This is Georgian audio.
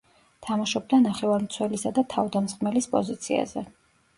თამაშობდა ნახევარმცველისა და თავდამსხმელის პოზიციაზე.